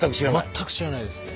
全く知らないですね。